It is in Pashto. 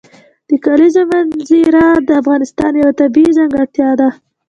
د کلیزو منظره د افغانستان یوه طبیعي ځانګړتیا ده.